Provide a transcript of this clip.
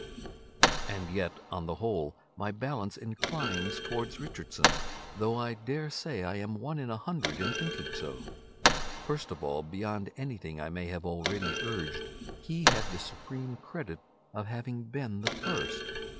And yet, on the whole, my balance inclines towards Richardson, though I dare say I am one in a hundred in thinking so. First of all, beyond anything I may have already urged, he had the supreme credit of having been the first.